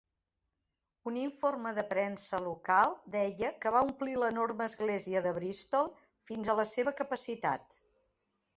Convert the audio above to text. Un informe de premsa local deia que va omplir l'enorme església de Bristol fins a la seva capacitat.